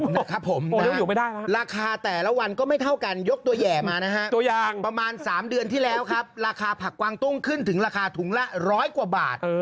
นะครับผมราคาแต่ละวันก็ไม่เท่ากันยกตัวแห่มานะฮะประมาณ๓เดือนที่แล้วครับราคาผักกวางตุ้งขึ้นถึงราคาถุงละร้อยกว่าบาท